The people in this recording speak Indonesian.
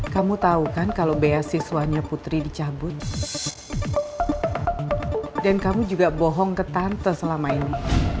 kamu tahu kan kalau beasiswanya putri dicabut dan kamu juga bohong ke tante selama ini